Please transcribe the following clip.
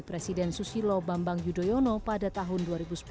presiden susilo bambang yudhoyono pada tahun dua ribu sepuluh